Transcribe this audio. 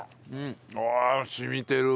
ああ染みてるわ。